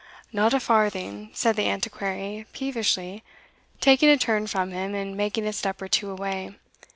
"Not a farthing," said the Antiquary, peevishly, taking a turn from him, and making a step or two away.